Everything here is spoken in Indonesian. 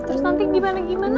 terus nanti gimana gimana